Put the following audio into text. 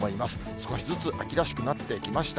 少しずつ秋らしくなってきました。